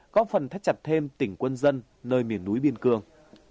góp phần thắt chặt thêm tỉnh quân dân nơi miền núi biên cường